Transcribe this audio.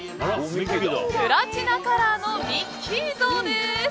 プラチナカラーのミッキー像です。